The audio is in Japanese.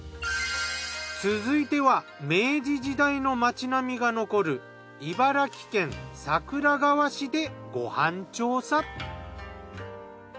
続いては明治時代の町並みが残る茨城県桜川市でご飯調査。